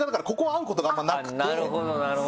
なるほどなるほど。